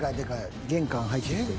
玄関入ってきてね。